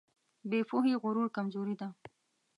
بې پوهې غرور کمزوري ده.